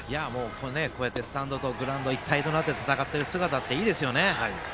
こうやってスタンドグラウンド一体となって戦っている姿いいですよね。